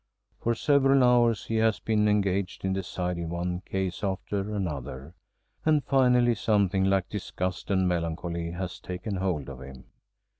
For several hours he has been engaged in deciding one case after another, and finally something like disgust and melancholy has taken hold of him.